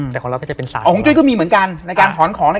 และวันนี้แขกรับเชิญที่จะมาเยี่ยมในรายการสถานีผีดุของเรา